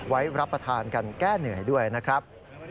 รับประทานกันแก้เหนื่อยด้วยนะครับ